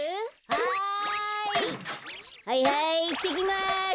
はいはいいってきます。